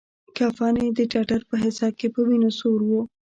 کفن يې د ټټر په حصه کښې په وينو سور و.